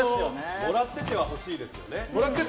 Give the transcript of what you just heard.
もらっててはほしいですよね。